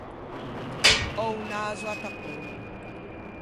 Ò o naso attappou.